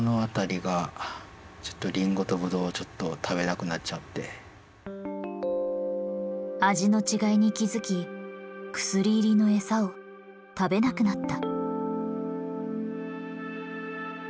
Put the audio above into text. このあたりが味の違いに気づき薬入りの餌を食べなくなった。